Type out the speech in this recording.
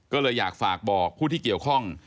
ก็เลยอยากฝากบอกผู้ที่เกี่ยวข้อง